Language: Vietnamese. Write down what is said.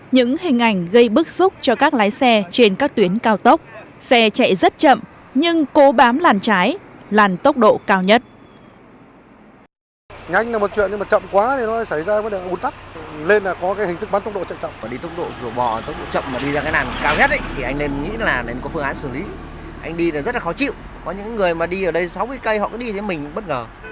những hình ảnh gây bức xúc cho các lái xe trên các tuyến cao tốc xe chạy rất chậm nhưng cố bám làn trái làn tốc độ cao nhất